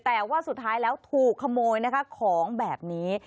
แต่ว่าสุดท้ายแล้วถูกขโมยนะคะของแบบนี้